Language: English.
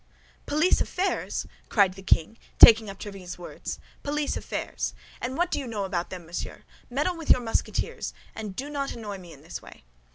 "Police affairs!" cried the king, taking up Tréville's words, "police affairs! And what do you know about them, Monsieur? Meddle with your Musketeers, and do not annoy me in this way.